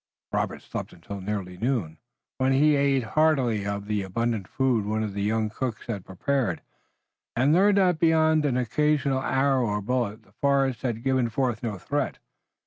Robert slept until nearly noon, when he ate heartily of the abundant food one of the young cooks had prepared, and learned that beyond an occasional arrow or bullet the forest had given forth no threat.